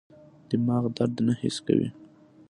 دماغ درد نه حس کوي.